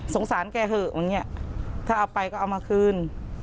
สงสารแกเหอะถ้าเอาไปก็เอามาคืน